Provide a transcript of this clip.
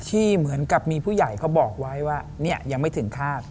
ที่เหมือนกับมีผู้ใหญ่เขาบอกไว้ว่ายังไม่ถึงคาด